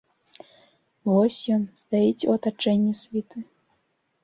Вось ён стаіць у атачэнні світы.